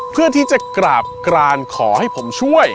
เพื่อที่จะกราบกรานขอให้ผมช่วย